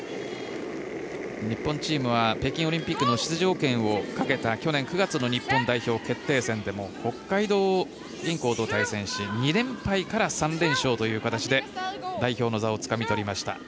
日本チームは北京オリンピックの出場権をかけた去年９月の日本代表決定戦でも北海道銀行と対戦し２連敗から３連勝という形で代表の座をつかみ取りました。